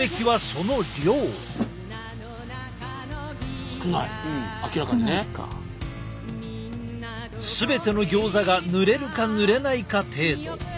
全てのギョーザがぬれるかぬれないか程度。